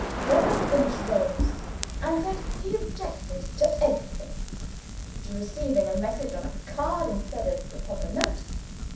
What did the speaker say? Reverend Finch rose, and said he objected to everything. To receiving a message on a card instead of a proper note.